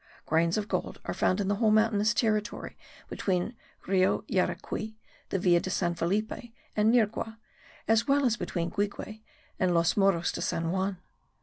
Grains of gold are found in the whole mountainous territory between Rio Yaracuy, the Villa de San Felipe and Nirgua, as well as between Guigue and Los Moros de San Juan.